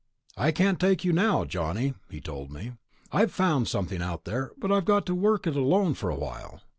'I can't take you now, Johnny,' he told me. 'I've found something out there, but I've got to work it alone for a while.'